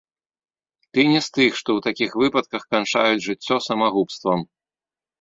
Ты не з тых, што ў такіх выпадках канчаюць жыццё самагубствам.